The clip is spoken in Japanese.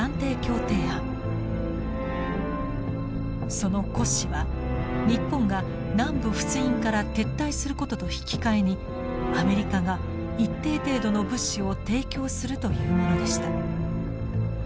その骨子は日本が南部仏印から撤退することと引き換えにアメリカが一定程度の物資を提供するというものでした。